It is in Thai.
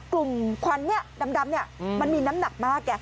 กลุ่มควันดำนี่มันมีน้ำหนักมาก